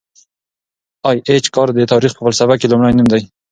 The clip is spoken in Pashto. ای اېچ کار د تاریخ په فلسفه کي لوی نوم دی.